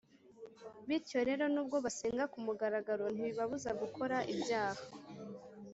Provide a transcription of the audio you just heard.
bityo rero, nubwo basenga ku mugaragaro ntibibabuza gukora ibyaha